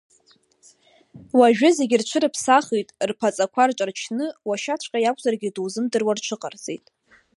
Уажәы зегьы рҽырыԥсахит, рԥаҵақәа рҿарчны, уашьаҵәҟьа иакәзаргьы дузымдыруа рҽыҟарҵеит.